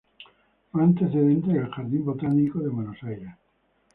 Fue antecedente del Jardín Botánico de Buenos Aires.